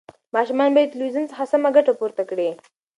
ماشومان باید د تلویزیون څخه سمه ګټه پورته کړي.